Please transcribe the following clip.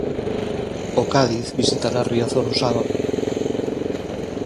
O Cádiz visitará Riazor o sábado.